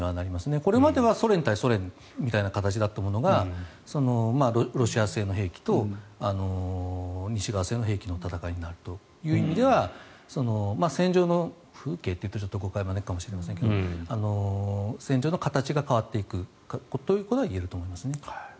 これまではソ連対ソ連みたいな形だったものがロシア製の兵器と西側製の兵器の戦いになるという意味では戦場の風景というと誤解を招くかもしれませんが戦場の形が変わっていくことは言えると思いますね。